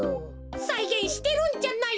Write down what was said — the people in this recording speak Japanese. さいげんしてるんじゃない。